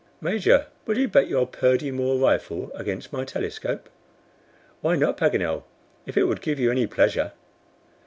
"Major, will you bet your Purdy Moore rifle against my telescope?" "Why not, Paganel, if it would give you any pleasure."